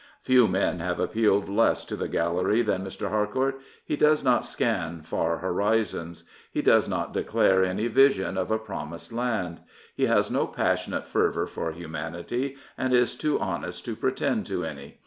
Few men have appealed less to the gallery than Mr. Harcourt. He does not scan far horizons. He does not declare any vision of a promised land. He has no passionate fervour for humanity, and is too honest to pretend to any.